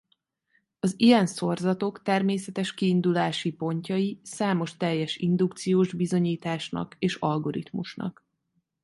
Az ilyen szorzatok természetes kiindulási pontjai számos teljes indukciós bizonyításnak és algoritmusnak.